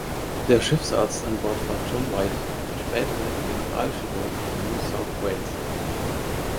Der Schiffsarzt an Bord war John White, der spätere General-Chirurg von New South Wales.